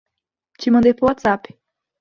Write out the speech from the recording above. Te mandei por WhatsApp